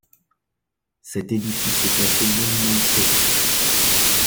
Cet édifice est classé monument historique.